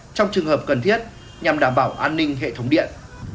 trong trường hợp cần thiết nhằm đảm bảo an ninh hệ thống điện